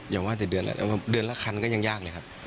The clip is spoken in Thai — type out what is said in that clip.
อย่างว่าแต่เดือนแล้วเดือนละคันก็ยังยากเลยครับ